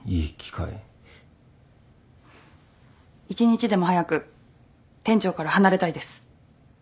一日でも早く店長から離れたいです。